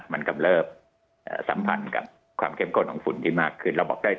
มันกำลับสัมพันธ์กับความเข้มข้นของฝุ่นที่มากขึ้น